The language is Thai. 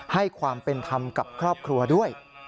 ให้ความเป็นธรรมกับครอบครัวด้วย